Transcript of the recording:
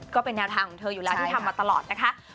ก็เป็นแนวทางของเธออยู่แล้วที่ทำมาตลอดนะคะ